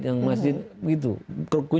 yang masjid begitu